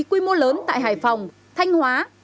quy mô lớn tại hải phòng thanh hóa